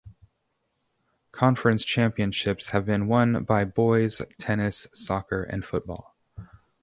Conference championships have been won by boys' tennis, soccer, and football.